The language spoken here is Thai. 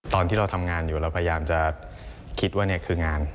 ตอนที่เราทำงานอยู่เราพยายามจะคิดว่านี่คืองาน